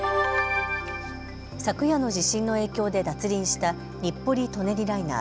昨夜の地震の影響で脱輪した日暮里・舎人ライナー。